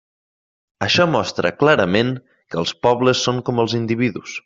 Això mostra clarament que els pobles són com els individus.